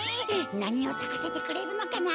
なにをさかせてくれるのかな？